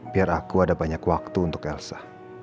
biar aku ada banyak waktu untuk elsa